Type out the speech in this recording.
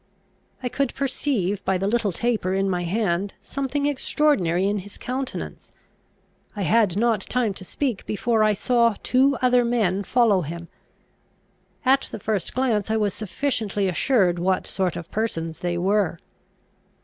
I could perceive, by the little taper in my hand, something extraordinary in his countenance. I had not time to speak, before I saw two other men follow him. At the first glance I was sufficiently assured what sort of persons they were.